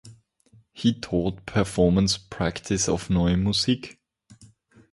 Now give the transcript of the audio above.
He taught performance practice of Neue Musik.